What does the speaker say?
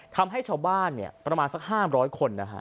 ทำให้ชาวบ้านประมาณสัก๕๐๐คนนะฮะ